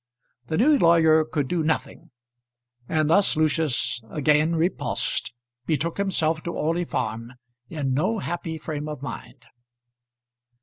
The new lawyer could do nothing, and thus Lucius, again repulsed, betook himself to Orley Farm in no happy frame of mind.